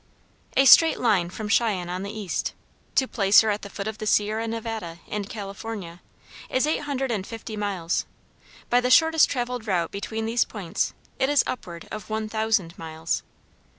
A straight line from Cheyenne on the east, to Placer at the foot of the Sierra Nevada in California, is eight hundred and fifty miles; by the shortest traveled route between these points it is upward of one thousand miles.